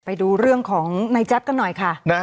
ไปดูเรื่องของในแจ๊บกันหน่อยค่ะ